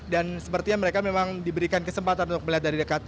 dan sepertinya mereka memang diberikan kesempatan untuk melihat dari dekat